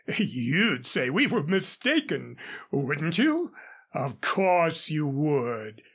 You'd say we were mistaken, wouldn't you? Of course you would.